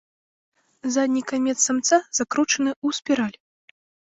Задні канец самца закручаны ў спіраль.